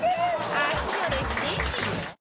明日よる７時